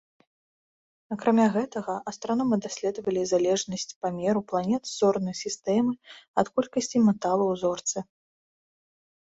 Акрамя гэтага, астраномы даследавалі залежнасць памеру планет зорнай сістэмы ад колькасці металу ў зорцы.